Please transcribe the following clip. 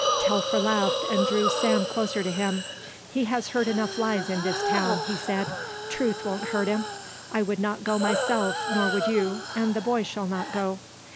Telfer laughed and drew Sam closer to him. "He has heard enough lies in this town," he said. "Truth won't hurt him. I would not go myself, nor would you, and the boy shall not go.